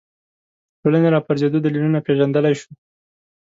د ټولنې راپرځېدو دلیلونه پېژندلی شو